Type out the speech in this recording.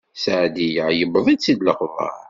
Seɛdiya yewweḍ-itt lexbaṛ.